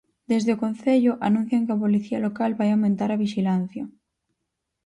Desde o Concello anuncian que a Policía Local vai aumentar a vixilancia.